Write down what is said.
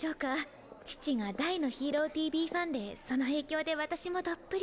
父が大の「ＨＥＲＯＴＶ」ファンでその影響で私もどっぷり。